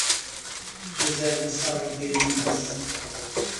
José Gonçalves de Minas